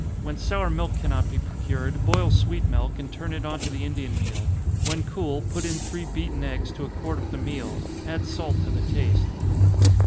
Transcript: When sour milk cannot be procured, boil sweet milk, and turn it on to the Indian meal when cool, put in three beaten eggs to a quart of the meal add salt to the taste.